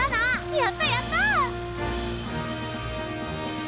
やったやった！